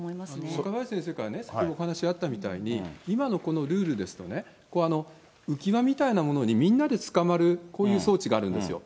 若林先生から先ほどもお話あったみたいに、今のこのルールですと、浮き輪みたいなものに、みんなでつかまる、こういう装置があるんですよ。